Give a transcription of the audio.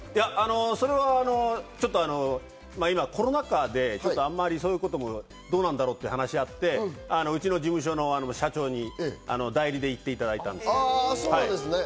それは今ちょっとコロナ禍でそういうこともどうなんだろうと話し合って、うちの事務所の社長に代理で行っていただいたんです。